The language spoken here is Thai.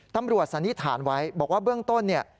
ตำรวจสันนิษฐานไว้บอกว่าเบื้องต้น